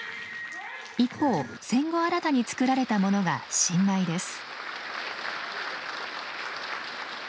一方戦後新たに作られたものが新舞です。